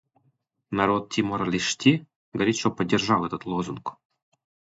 Народ Тимора-Лешти горячо поддержал этот лозунг.